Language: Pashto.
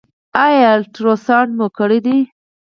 ایا الټراساونډ مو کړی دی؟